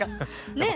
ねえ。